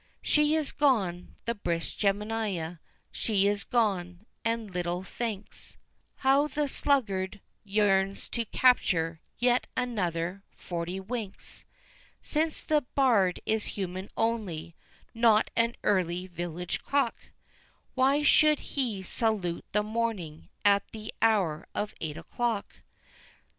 She is gone, the brisk Jemima; she is gone, and little thinks How the sluggard yearns to capture yet another forty winks, Since the bard is human only not an early village cock Why should he salute the morning at the hour of eight o'clock?